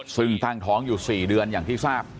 ซึ่งตั้งท้องอยู่๔เดือนอย่างที่ทราบ